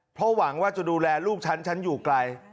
เพราะหวังว่าจะดูแลลูกฉันฉันอยู่ไกล